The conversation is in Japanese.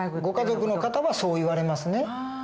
ご家族の方はそう言われますね。